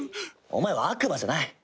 お前は悪魔じゃない。